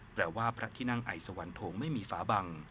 แปลว่าพระที่นั่งไอสวรรพงศ์ไม่มีฝาบัง